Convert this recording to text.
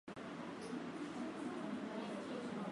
Amekuwa mwanamke wa kwanza kushika nafasi ya urais nchini Tanzania